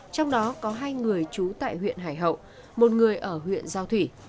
trong đó có hai người trú tại huyện hải hậu một người ở huyện giao thủy